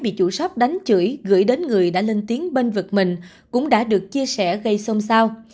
bị chủ shop đánh chửi gửi đến người đã lên tiếng bên vực mình cũng đã được chia sẻ gây xông sao